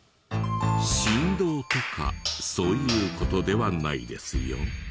振動とかそういう事ではないですよ。